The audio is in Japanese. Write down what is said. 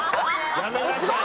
やめなさい。